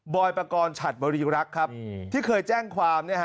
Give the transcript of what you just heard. บรอยประกอลฉัดบรีรักค์ครับ